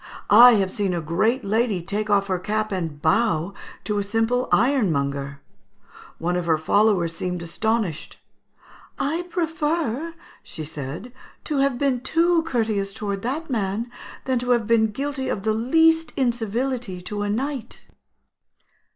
I have seen a great lady take off her cap and bow to a simple ironmonger. One of her followers seemed astonished. 'I prefer,' she said, 'to have been too courteous towards that man, than to have been guilty of the least incivility to a knight.'"